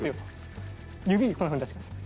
指こんなふうに出してください。